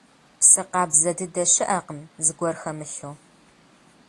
Псы къабзэ дыдэ щыӀэкъым, зыгуэр хэмылъу.